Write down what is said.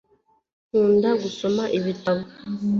nkunda gusoma ibitabo